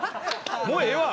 もうええわ！